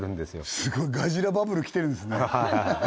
すごいガジラバブル来てるんですね